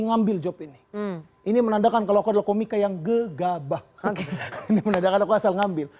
ngambil job ini ini menandakan kalau aku adalah komika yang gegabah ini menandakan aku asal ngambil